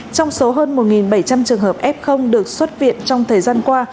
trong số hơn một bảy trăm linh trường hợp f được xuất viện trong thời gian qua